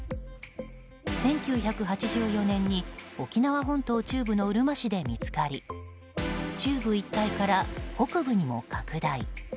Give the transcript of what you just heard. １９８４年に沖縄本島中部のうるま市で見つかり中部一帯から北部にも拡大。